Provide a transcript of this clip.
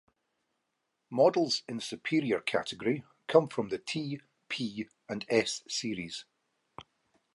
Models in the superior category come from the T, P and S-series.